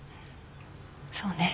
そうね。